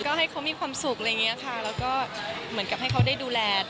ก็ให้เขามีความสุขแล้วก็เหมือนให้เขาได้ดูแล